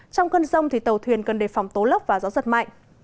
trong cơn rông tàu thuyền cần đề phòng tố lốc và gió giật mạnh